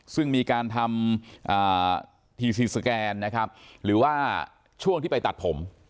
ซึ่งมีการทำทีซีสแกนนะครับหรือว่าช่วงที่ไปตัดผม